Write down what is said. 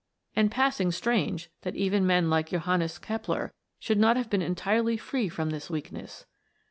And passing strange that even men like Johannes Kepler should not have been entirely free from this weakness